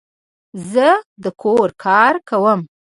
زه د کور کار کوم